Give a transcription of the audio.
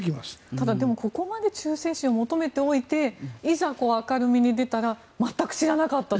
ただここまで忠誠心を求めておいていざ明るみに出たら全く知らなかったと。